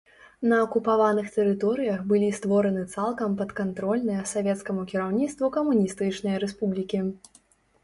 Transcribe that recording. На акупаваных тэрыторыях былі створаны цалкам падкантрольныя савецкаму кіраўніцтву камуністычныя рэспублікі.